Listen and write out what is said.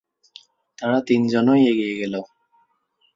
তারা তিন জনই এগিয়ে গেল।